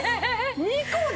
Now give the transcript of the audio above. ２個で！？